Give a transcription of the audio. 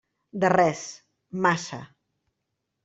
De res, massa.